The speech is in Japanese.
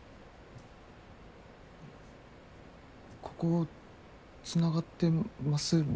ここつながってまする？